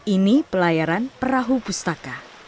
ini pelayaran perahu pustaka